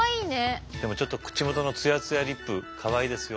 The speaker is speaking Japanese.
でもちょっと口元のつやつやリップかわいいですよ。